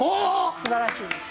すばらしいです。